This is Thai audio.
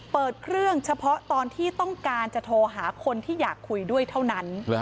เปิดเครื่องเฉพาะตอนที่ต้องการจะโทรหาคนที่อยากคุยด้วยเท่านั้น